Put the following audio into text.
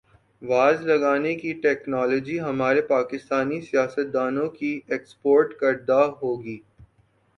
was لگانے کی technology ہمارے پاکستانی سیاستدا نوں کی ایکسپورٹ کردہ ہوگی